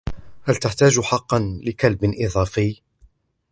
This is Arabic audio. هل تحتاج حقا لكلب إضافي ؟